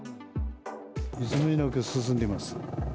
いつになく進んでいます。